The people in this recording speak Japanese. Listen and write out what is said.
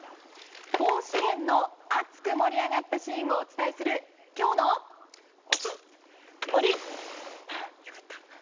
甲子園の熱く盛り上がったシーンをお伝えするきょうの熱盛。